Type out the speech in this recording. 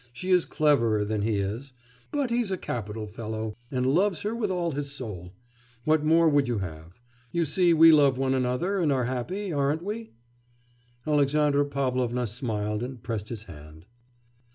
she is cleverer than he is; but he's a capital fellow, and loves her with all his soul. What more would you have? You see we love one another and are happy, aren't we?' Alexandra Pavlovna smiled and pressed his hand.